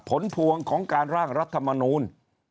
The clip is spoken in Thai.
ผลพวงของการร่างรัฐมนูล